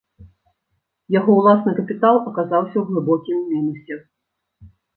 Яго ўласны капітал аказаўся ў глыбокім мінусе.